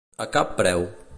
A cap preu.